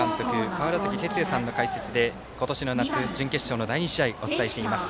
川原崎哲也さんの解説で今年の夏、準決勝の第２試合お伝えしています。